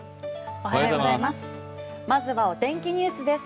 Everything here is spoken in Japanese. おはようございます。